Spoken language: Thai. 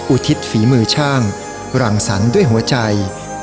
อุทิศฝีมือช่างรังสรรค์ด้วยหัวใจ